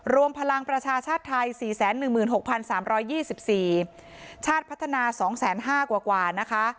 รวมพลังประชาชาติไทยสี่แสนหนึ่งหมื่นหกพันสามร้อยยี่สิบสี่ชาติพัฒนาสองแสนห้ากว่ากว่านะคะ